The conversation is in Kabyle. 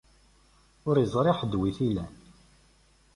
Ur iẓri ḥedd wi tt-ilan.